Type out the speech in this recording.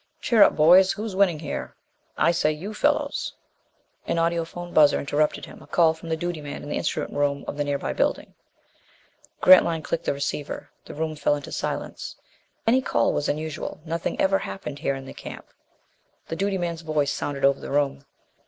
"Cheer up, boys. Who's winning there? I say, you fellows " An audiphone buzzer interrupted him, a call from the duty man in the instrument room of the nearby building. Grantline clicked the receiver. The room fell into silence. Any call was unusual nothing ever happened here in the camp. The duty man's voice sounded over the room.